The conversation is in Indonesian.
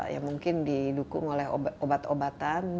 ya mungkin didukung oleh obat obatan